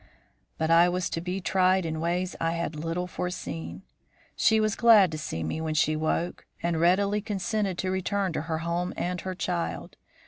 "But I was to be tried in ways I had little foreseen. She was glad to see me when she woke, and readily consented to return to her home and her child.